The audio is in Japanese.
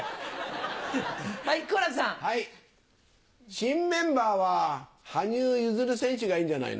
新メンバーは羽生結弦選手がいいんじゃないの？